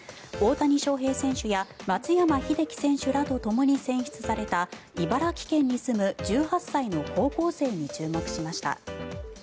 大谷翔平選手や松山英樹選手らとともに選出された茨城県に住む１８歳の高校生に注目しました。